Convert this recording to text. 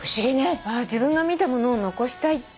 自分が見たものを残したいって思うのかな？